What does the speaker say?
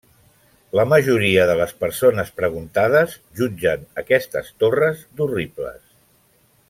La majoria de les persones preguntades jutgen aquestes torres d'horribles.